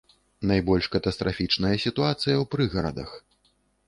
Найбольш катастрафічная сітуацыя ў прыгарадах.